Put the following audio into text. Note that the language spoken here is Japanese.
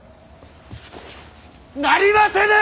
なりませぬ！